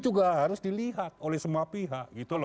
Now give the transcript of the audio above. juga harus dilihat oleh semua pihak gitu loh